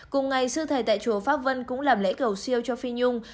cùng ngày sư thầy tại chùa pháp vân cũng làm lễ cầu siêu cho phi nhung